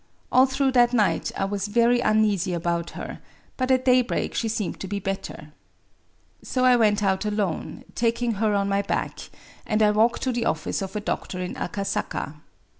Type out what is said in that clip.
All through that night I was very uneasy about her, but at daybreak she seemed to be better. So I went out alone, taking her on my back, and walked to the office of a doctor in Akasaka.